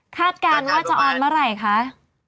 คาดการณ์ว่าจะออนมาไหนคะ